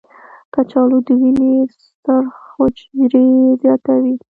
کچالو د وینې سرخ حجرې زیاتوي.